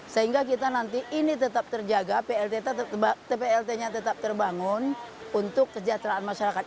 sehingga kita nanti ini tetap terjaga pplt nya tetap terbangun untuk kesejahteraan masyarakat